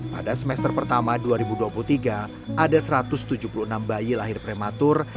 pada semester pertama dua ribu dua puluh tiga ada satu ratus tujuh puluh enam bayi lahir prematur